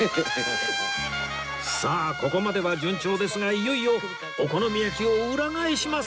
さあここまでは順調ですがいよいよお好み焼きを裏返します！